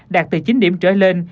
đạt từ chín điểm trở lên